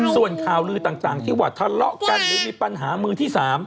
ส่วนข่าวลือต่างที่ว่าทะเลาะกันหรือมีปัญหามือที่๓